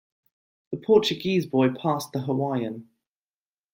The Portuguese boy passed the Hawaiian.